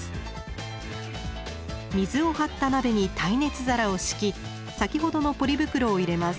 水を張った鍋に耐熱皿を敷き先ほどのポリ袋を入れます。